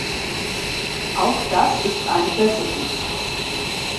Auch das ist eine Besserung.